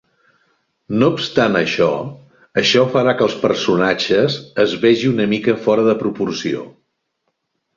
No obstant això, això farà que els personatges es vegi una mica fora de proporció.